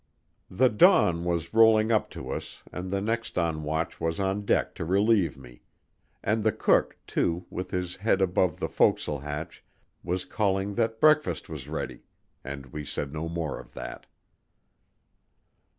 The dawn was rolling up to us and the next on watch was on deck to relieve me; and the cook, too, with his head above the fo'c's'le hatch, was calling that breakfast was ready, and we said no more of that.